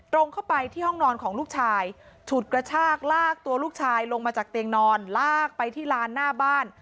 ตรงเข้าไปที่ห้องนอนของลูกชายฉุดกระชากลากตัวลูกชายลงมาจากเตียงนอนลากไปที่ลานหน้าบ้าน